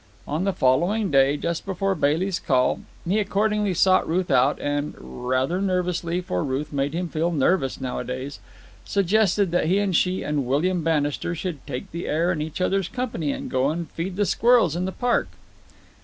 On the following day, just before Bailey's call, he accordingly sought Ruth out, and—rather nervously, for Ruth made him feel nervous nowadays—suggested that he and she and William Bannister should take the air in each other's company and go and feed the squirrels in the park.